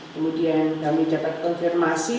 kemudian kami dapat konfirmasi